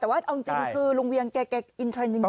แต่ว่าเอาจริงคือลุงเวียงแกอินเทรนด์จริง